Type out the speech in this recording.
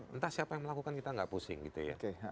entah siapa yang melakukan kita nggak pusing gitu ya